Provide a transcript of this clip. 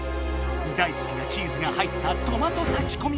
大すきなチーズが入ったトマトたきこみ